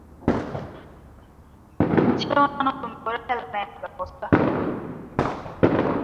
ছিল না নতুন করে তেল নেয়ার ব্যবস্থা।